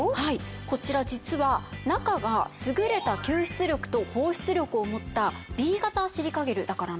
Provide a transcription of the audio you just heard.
こちら実は中が優れた吸湿力と放湿力を持ったＢ型シリカゲルだからなんです。